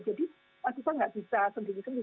jadi kita nggak bisa sendiri sendiri